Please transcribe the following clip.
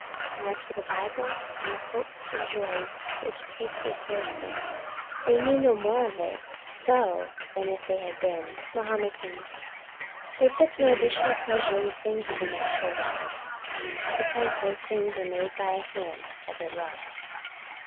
And as for the Bible, and the hopes and joys which take their source there, they knew no more of it so than if they had been Mahometans. They took no additional pleasure in the things of the natural world, because those things were made by a Hand that they loved.